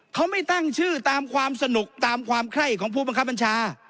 เขาไม่ตั้งชื่อตามความสนุกตามความไข้ของผู้บังคับบัญชา